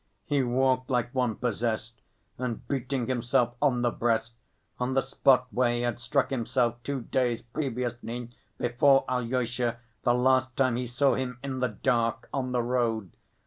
He walked like one possessed, and beating himself on the breast, on the spot where he had struck himself two days previously, before Alyosha, the last time he saw him in the dark, on the road.